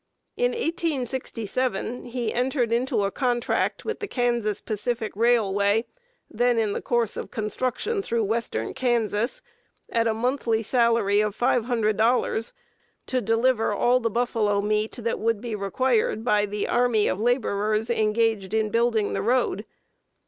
In 1867 he entered into a contract with the Kansas Pacific Railway, then in course of construction through western Kansas, at a monthly salary of $500, to deliver all the buffalo meat that would be required by the army of laborers engaged in building the road.